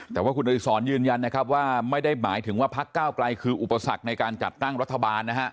แต่ว่าคุณอดิษรยืนยันนะครับว่าไม่ได้หมายถึงว่าพักก้าวไกลคืออุปสรรคในการจัดตั้งรัฐบาลนะฮะ